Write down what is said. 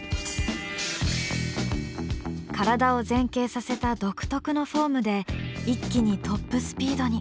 体を前傾させた独特のフォームで一気にトップスピードに。